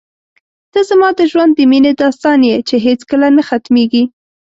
ته زما د ژوند د مینې داستان یې چې هېڅکله نه ختمېږي.